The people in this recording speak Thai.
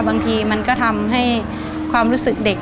บางทีมันก็ทำให้ความรู้สึกเด็ก